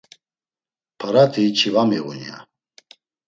Parati hiç̌i va miğun, ya.